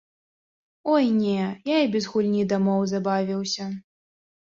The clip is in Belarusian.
Ой не, я і без гульні дамоў забавіўся!